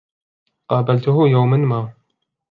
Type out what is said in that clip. قابلته يوماً ما.